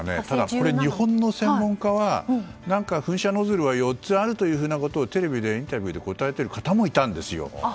ただ、これ日本の専門家は、噴射ノズルは４つあるということをテレビのインタビューで答えている方もいたんです。